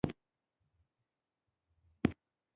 د پاچاهۍ متولیانو د غازیانو صداقت ولیدو.